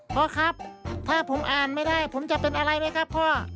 พ่อครับถ้าผมอ่านไม่ได้ผมจะเป็นอะไรไหมครับพ่อ